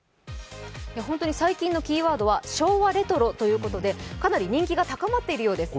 最近のキーワードは昭和レトロということで、かなり人気が高まっているようです。